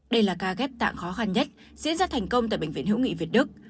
đây là ca ghép tạng khó khăn nhất diễn ra thành công tại bệnh viện hữu nghị việt đức